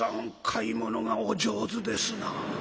買い物がお上手ですなあ。